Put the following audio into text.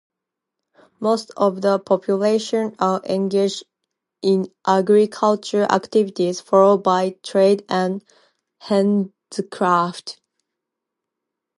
Most of the population are engaged in agricultural activities followed by trade and handicrafts.